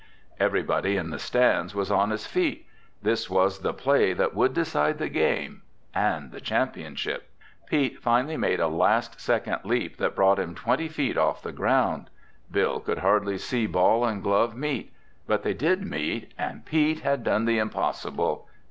Everybody in the stands was on his feet. This was the play that would decide the game—and the championship. Pete finally made a last second leap that brought him twenty feet off the ground. Bill could hardly see ball and glove meet. But they did meet and Pete had done the impossible!